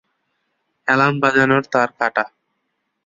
Alarm বাজানোর তার কাটা।